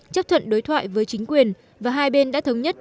chấp thuận đối thoại với chính quyền và hai bên đã thống nhất